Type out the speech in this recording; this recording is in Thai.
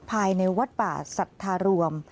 ภายในวัดป่าสัทธารวม